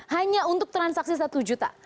hanya untuk transaksi satu juta